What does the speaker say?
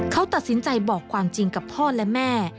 เขาตัดสินใจบอกความจริงกับพ่อและแม่